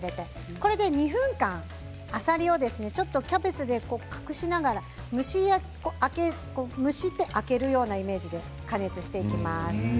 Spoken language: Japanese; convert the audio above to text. これで２分間あさりをキャベツで隠しながら蒸して開けるような感じで加熱していきます。